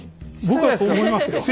僕はそう思いますけど。